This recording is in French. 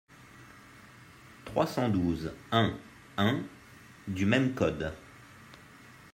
trois cent douze-un-un du même code.